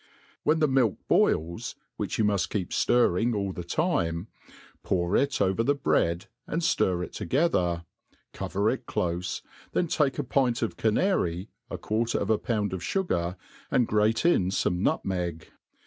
When the milk boils (which you muft keep ftirring all the time}, pour it over the bread, and ftir it together; co ver it clofe, then take a pint of canary, a quarter of a pound of fugar, and grate in fome nutmeg.